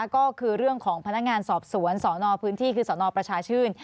ก็คือเรื่องของพนักงานสอบสวนสนพื้นที่คือสนประชาชื่น